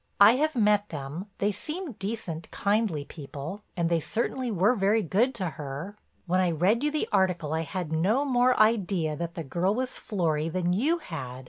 I have met them; they seem decent, kindly people, and they certainly were very good to her. When I read you the article I had no more idea that the girl was Florry than you had.